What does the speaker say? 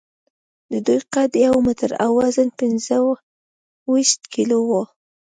د دوی قد یو متر او وزن پینځهویشت کیلو و.